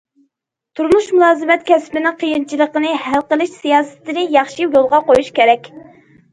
تۇرمۇش مۇلازىمەت كەسپىنىڭ قىيىنچىلىقىنى ھەل قىلىش سىياسىتىنى ياخشى يولغا قويۇش كېرەك.